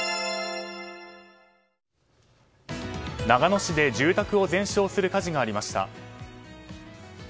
長野市で住宅を全焼する火事がありました。